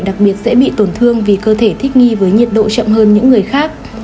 đặc biệt dễ bị tổn thương vì cơ thể thích nghi với nhiệt độ chậm hơn những người khác